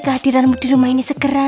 kehadiranmu dirumah ini segera